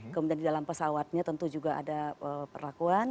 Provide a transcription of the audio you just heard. kemudian di dalam pesawatnya tentu juga ada perlakuan